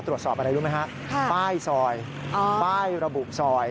ตรวจสอบอะไรรู้ไหมฮะป้ายซอยป้ายระบุซอย